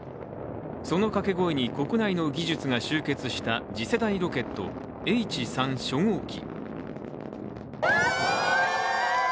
そのかけ声に国内の技術が集結した次世代ロケット、Ｈ３初号機。